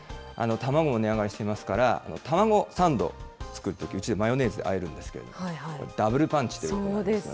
卵も値上がりしていますから、たまごサンド作るとき、うちでマヨネーズであえるんですけれども、ダブルパンチということなんですよね。